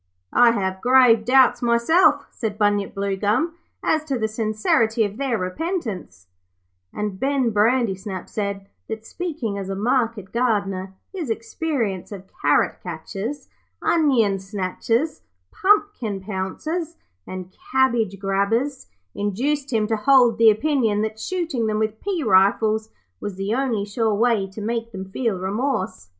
'I have grave doubts myself,' said Bunyip Bluegum, 'as to the sincerity of their repentance'; and Ben Brandysnap said that, speaking as a market gardener, his experience of carrot catchers, onion snatchers, pumpkin pouncers, and cabbage grabbers induced him to hold the opinion that shooting them with pea rifles was the only sure way to make them feel remorse.